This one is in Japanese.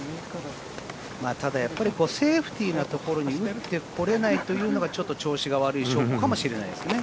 ただ、やっぱりセーフティーなところに打ってこれないというのがちょっと調子が悪い証拠かもしれないですね。